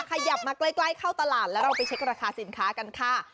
ขยับมาใกล้เข้าตลาดแล้วเราไปเช็คราคาสินค้ากันค่ะ